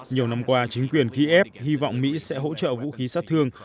nhiều năm qua chính quyền ký ép hy vọng mỹ sẽ hỗ trợ vũ khí sát thương